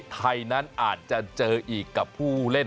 ไทยนั้นอาจจะเจออีกกับผู้เล่น